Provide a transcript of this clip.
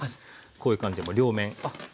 こういう感じで両面。